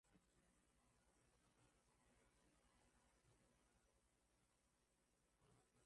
wa Meskhetian linazidi kuwa kali Georgia karibu